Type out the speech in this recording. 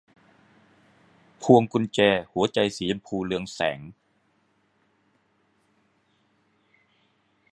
พวงกุญแจหัวใจสีชมพูเรืองแสง